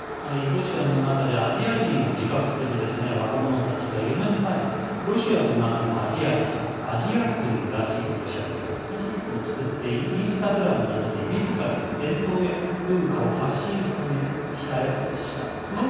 ロシアの中でアジア人を自覚する若者たちが、４年前「ロシアの中のアジア人」АзиатыРоссииを作ってインスタグラムなどでみずからの伝統や文化を発信したんですね。